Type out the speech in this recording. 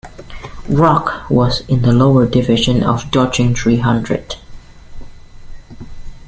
Rock was in the lower division of Doddingtree Hundred.